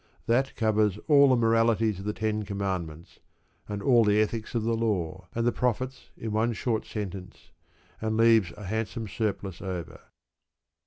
That covers all the moralities of the Ten Commandments, and all the Ethics of the Law and the Prophets, in one short sentence, and leaves a handsome surplus over.